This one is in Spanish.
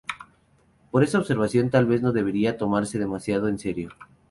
Pero esta observación tal vez no debería tomarse demasiado en serio.